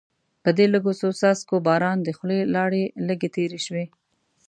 په دې لږو څو څاڅکو باران د خولې لاړې لږې تېرې شوې.